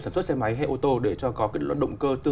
sản xuất xe máy hay ô tô để cho có cái đoạn động cơ